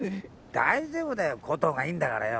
大丈夫だよコトーがいんだからよ。